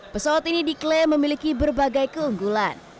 pesawat ini diklaim memiliki berbagai keunggulan